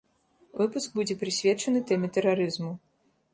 Выпуск будзе прысвечаны тэме тэрарызму.